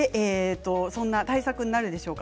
対策になるでしょうか？